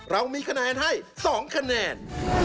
เรามีคะแนนให้๒คะแนน